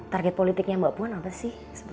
target politiknya mbak puan apa sih